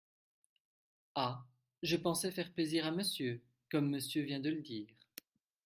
Ah ! je pensais faire plaisir à Monsieur… comme Monsieur vient de le dire…